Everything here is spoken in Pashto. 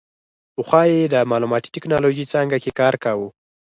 پخوا یې د معلوماتي ټیکنالوژۍ څانګه کې کار کاوه.